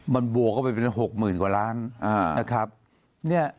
มันบวกออกไปได้เป็น๖๐๐๐๐กว่าล้านบาทนะครับ